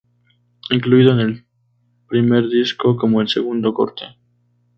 Incluido en su primer disco como el segundo corte.